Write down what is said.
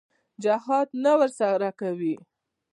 جهاد نه ورسره کوي.